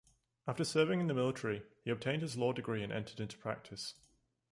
After serving in the military, he obtained his law degree and entered into practice.